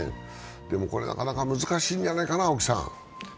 でもこれなかなか難しいんじゃないかな。